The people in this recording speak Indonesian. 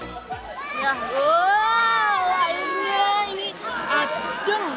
wow airnya ini adem